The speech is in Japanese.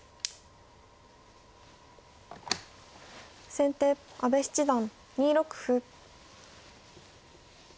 先手阿部七段２六歩。